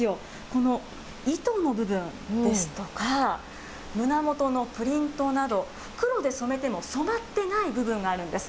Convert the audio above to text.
この糸の部分ですとか、胸元のプリントなど、黒で染めても染まってない部分があるんです。